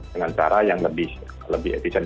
dengan cara yang lebih efisien